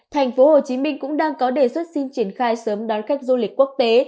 thành phố hồ chí minh cũng đang có đề xuất xin triển khai sớm đón khách du lịch quốc tế